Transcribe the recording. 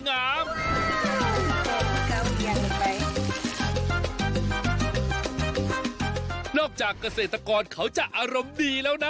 นอกจากเกษตรกรเขาจะอารมณ์ดีแล้วนะ